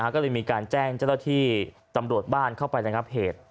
ก็เลยมีการแจ้งเจ้าหน้าที่ตำรวจบ้านเข้าไประงับเหตุ